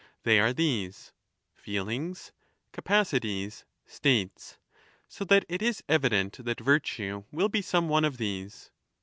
They are these — feelings, capacities, states ; so that it is evident that virtue will be some one of these.